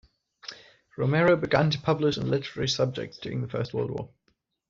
Romero began to publish on literary subjects during the First World War.